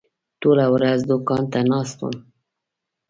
ټوله ورځ دوکان ته ناست وم.